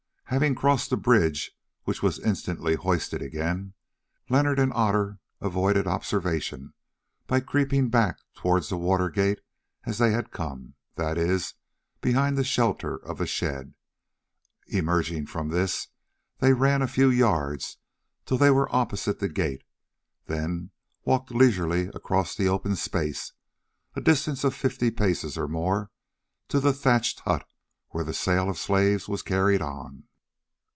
Having crossed the bridge, which was instantly hoisted again, Leonard and Otter avoided observation by creeping back towards the water gate as they had come—that is, behind the shelter of the shed. Emerging from this, they ran a few yards till they were opposite the gate, then walked leisurely across the open space, a distance of fifty paces or more, to the thatched hut where the sale of slaves was carried on.